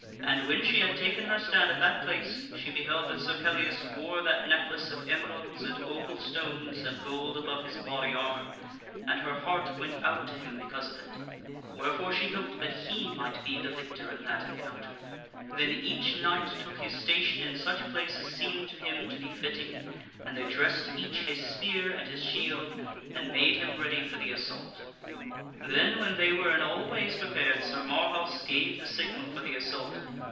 And when she had taken her stand at that place she beheld that Sir Pellias wore that neck lace of emeralds and opal stones and gold above his body armor, and her heart went out to him because of it, wherefore she hoped that he might be the victor in that encounter. Then each knight took his station in such place as seemed to him to be fitting, and they dressed each his spear and his shield and made him ready SIX PELLIAS OVERTHROWS SIR GAWAINE 269 for the assault. Then, when they were in all ways prepared, Sir Marhaus gave the signal for the assault.